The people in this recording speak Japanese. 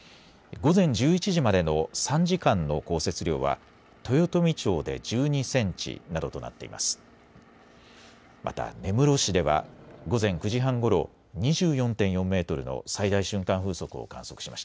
午前１１時までの３時間の降雪量は豊富町で１２センチなどとなっています。